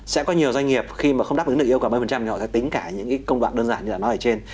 sẽ có nhiều doanh nghiệp khi mà không đáp ứng được yêu cầu ba mươi thì họ sẽ tính cả những công đoạn đơn giản như là nói ở trên